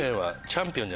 チャンピオン。